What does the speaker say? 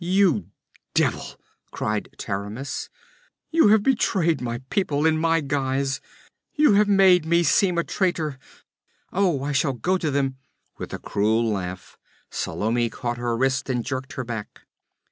'You devil!' cried Taramis. 'You have betrayed my people, in my guise! You have made me seem a traitor! Oh, I shall go to them ' With a cruel laugh Salome caught her wrist and jerked her back.